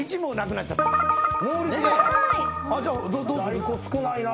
在庫少ないな。